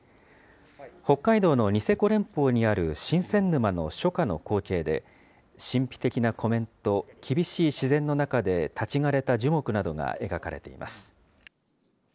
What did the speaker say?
北海道のニセコ連峰にある神仙沼の初夏の光景で、神秘的な湖面と、厳しい自然の中で立ち枯れた樹木などが描かれています。